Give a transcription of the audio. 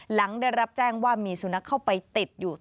หลังได้รับแจ้งว่ามีสุนัขเข้าไปติดอยู่